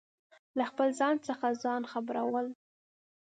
له خپل ځان څخه ځان خبرو ل